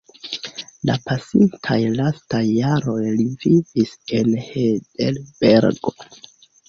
La pasintaj lastaj jaroj li vivis en Hejdelbergo.